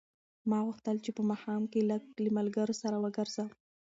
ما غوښتل چې په ماښام کې لږ له ملګرو سره وګرځم.